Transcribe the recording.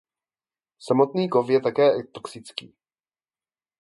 Samotný kov je také toxický.